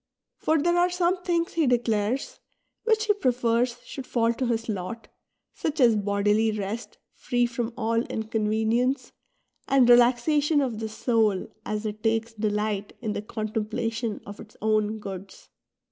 For there are some things, he declai'es, which he prefers should fall to his lot, such as bodily rest free from all inconvenience, and relaxation of the soul as it takes delight in the con templation of its own goods.